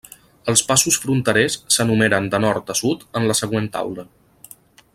Els passos fronterers s'enumeren de nord a sud en la següent taula.